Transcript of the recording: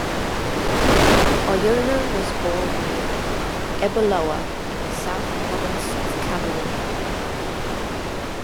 Oyono was born near Ebolowa in the South Province of Cameroon.